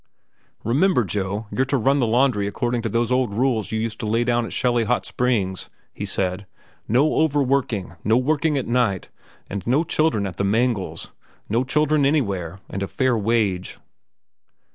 "Remember, Joe, you're to run the laundry according to those old rules you used to lay down at Shelly Hot Springs," he said. "No overworking. No working at night. And no children at the mangles. No children anywhere. And a fair wage."